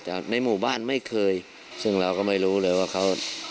แต่ในหมู่บ้านไม่เคยซึ่งเราก็ไม่รู้เลยว่าเขา